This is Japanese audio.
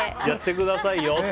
やってくださいよ？